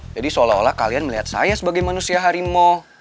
jadi seolah olah kalian melihat saya sebagai manusia harimau